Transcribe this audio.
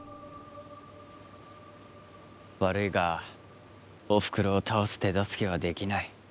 悪いがおふくろを倒す手助けはできない。